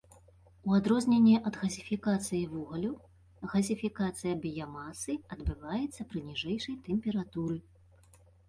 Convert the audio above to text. У адрозненне ад газіфікацыі вугалю, газіфікацыя біямасы адбываецца пры ніжэйшай тэмпературы.